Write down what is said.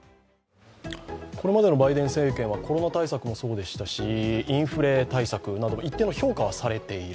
これまでのバイデン政権はコロナ対策もそうでしたしインフレ対策なども一定の評価はされている。